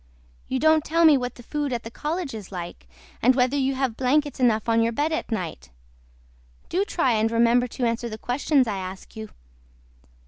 YOU DON'T TELL ME WHAT THE FOOD AT THE COLLEGE IS LIKE AND WHETHER YOU HAVE BLANKETS ENOUGH ON YOUR BED AT NIGHT. DO TRY AND REMEMBER TO ANSWER THE QUESTIONS I ASK YOU.